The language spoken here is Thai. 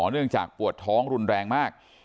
เนื่องจากปวดท้องรุนแรงมาก